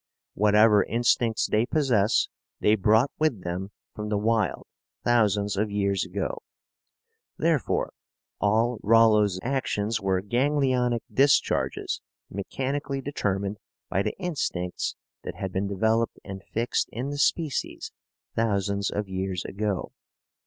Whatever instincts they possess they brought with them from the wild thousands of years ago. Therefore, all Rollo's actions were ganglionic discharges mechanically determined by the instincts that had been developed and fixed in the species thousands of years ago.